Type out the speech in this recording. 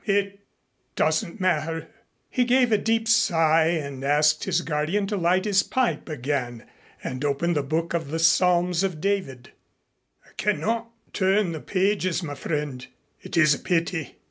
It doesn't matter." He gave a deep sigh and asked his guardian to light his pipe again and open the Book at the Psalms of David. "I cannot turn the pages, my friend. It is a pity.